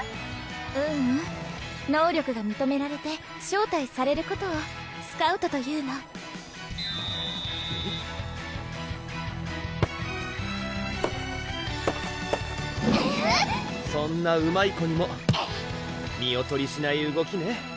ううん能力がみとめられて招待されることをスカウトというのそんなうまい子にも見おとりしない動きね